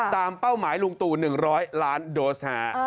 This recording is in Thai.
เป้าหมายลุงตู่๑๐๐ล้านโดส